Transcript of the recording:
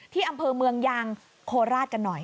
ที่อำเภอเมืองยางโคราชกันหน่อย